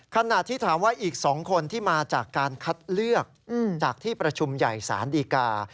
ขณะที่ถามว่าอีก๒คนที่มาจากการคัดเลือกจากที่ประชุมใหญ่ศาลดีกา